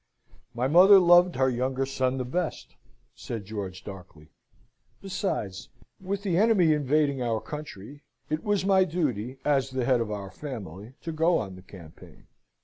"My mother loved her younger son the best," said George, darkly. "Besides, with the enemy invading our country, it was my duty, as the head of our family, to go on the campaign.